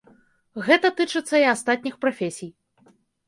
Гэта тычыцца і астатніх прафесій.